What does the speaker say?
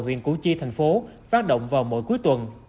huyện củ chi thành phố phát động vào mỗi cuối tuần